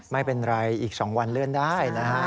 ไม่เป็นไรอีก๒วันเลื่อนได้นะฮะ